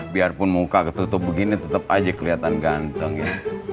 biarpun muka ketutup begini tetep aja keliatan ganteng ya